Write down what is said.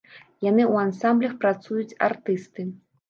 Яны ў ансамблях працуюць, артысты.